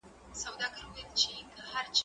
زه پرون زدکړه کوم؟!